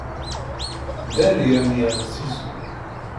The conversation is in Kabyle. Ddari a mmi ɛzizu.